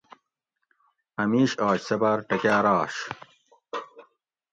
اۤ میش آش سہ باۤر ٹکاۤر آش